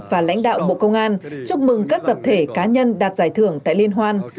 và lãnh đạo bộ công an chúc mừng các tập thể cá nhân đạt giải thưởng tại liên hoan